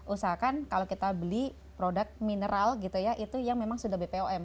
usahakan kalau kita beli produk mineral gitu ya itu yang memang sudah bpom